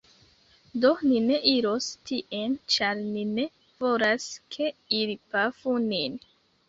Do ni ne iros tien, ĉar ni ne volas ke ili pafu nin.